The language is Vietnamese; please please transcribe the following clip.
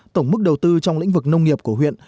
tổng mức đầu tư trong lĩnh vực nông nghiệp của huyện